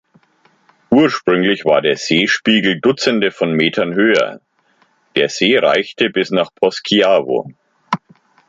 Ursprünglich war der Seespiegel Dutzende von Metern höher; der See reichte bis nach Poschiavo.